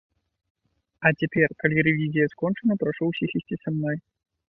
А цяпер, калі рэвізія скончана, прашу ўсіх ісці са мной.